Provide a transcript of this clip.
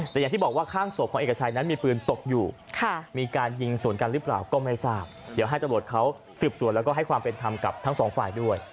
แต่อย่างที่บอกว่าข้างศพของเอกชัยนั้นมีปืนตกอยู่มีการยิงสวนกันหรือเปล่าก็ไม่ทราบเดี๋ยวให้ตำรวจเขาสืบสวนแล้วก็ให้ความเป็นธรรมกับทั้งสองฝ่ายด้วย